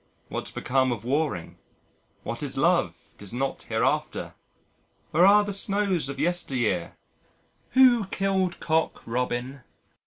"What's become of Waring?" "What is Love? 'Tis not hereafter." "Where are the snows of yesteryear?" "Who killed Cock Robin?"